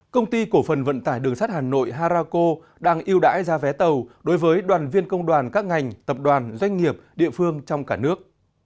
công ty cổ phần vận tải đường sắt hà nội harako đang yêu đãi giá vé tàu đối với đoàn viên công đoàn các ngành tập đoàn doanh nghiệp địa phương trong cả nước